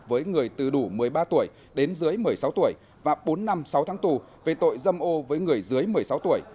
với người từ đủ một mươi ba tuổi đến dưới một mươi sáu tuổi và bốn năm sáu tháng tù về tội dâm ô với người dưới một mươi sáu tuổi